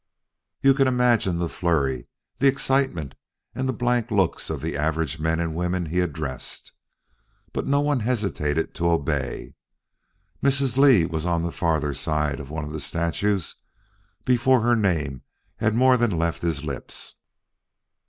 You can imagine the flurry, the excitement and the blank looks of the average men and women he addressed. But not one hesitated to obey. Mrs. Lee was on the farther side of one of the statues before her name had more than left his lips.